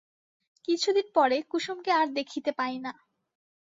কিছুদিন পরে কুসুমকে আর দেখিতে পাই না।